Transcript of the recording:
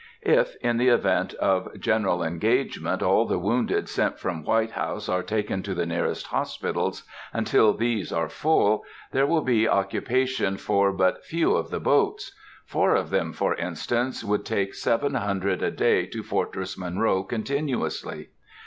If, in the event of a general engagement, all the wounded sent from White House are taken to the nearest hospitals, until these are full, there will be occupation for but few of the boats; four of them, for instance, would take seven hundred (700) a day to Fortress Monroe continuously.